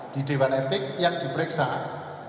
di dewan etik yang diperiksa